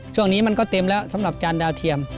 มันก็เต็มแล้วสำหรับจานดาวเทียม